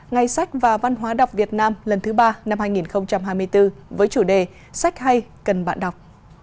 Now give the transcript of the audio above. ngày sách và văn hóa đọc việt nam lần thứ ba năm hai nghìn hai mươi bốn với chủ đề sách hay cần bạn đọc